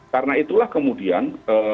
karena itulah kemudian